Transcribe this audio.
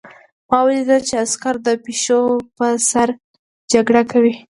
ما ولیدل چې عسکر د پیشو په سر جګړه کوي